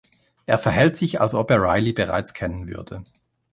Er verhält sich als ob er Riley bereits kennen würde.